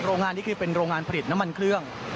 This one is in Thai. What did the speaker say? โรงงานนี้คือเป็นโรงงานผลิตน้ำมันเครื่อง